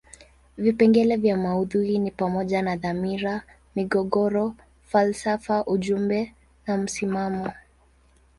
Vipengele vya maudhui ni pamoja na dhamira, migogoro, falsafa ujumbe na msimamo.